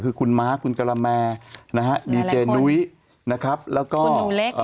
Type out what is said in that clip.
คือคุณม้าคุณกะละแมนะฮะดีเจนุ้ยนะครับแล้วก็หนูเล็ก